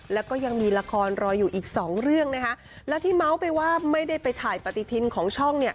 แล้วก็ยังมีละครรออยู่อีกสองเรื่องนะคะแล้วที่เมาส์ไปว่าไม่ได้ไปถ่ายปฏิทินของช่องเนี่ย